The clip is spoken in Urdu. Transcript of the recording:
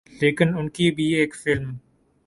لیکن ان کی بھی ایک فلم